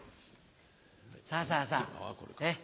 さぁさぁさぁ。